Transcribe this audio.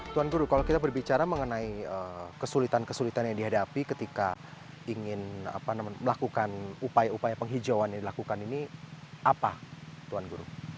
tuan guru kalau kita berbicara mengenai kesulitan kesulitan yang dihadapi ketika ingin melakukan upaya upaya penghijauan yang dilakukan ini apa tuan guru